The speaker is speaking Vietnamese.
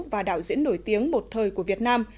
và đạo diễn nổi tiếng một thời của việt nam